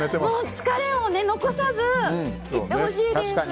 疲れ残さずいってほしいです。